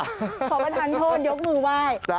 แม่ขอประทันโทนยกมือไว้